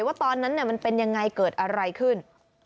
ว่าตอนนั้นมันเป็นยังไงเกิดอะไรขึ้น